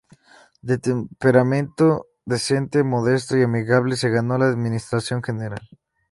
De temperamento decente, modesto y amigable, se ganó la admiración general.